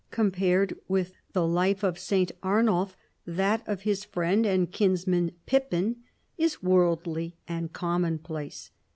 Compared with the life of St. Arnulf, that of his friend and kinsman Pippin is worldly and common place.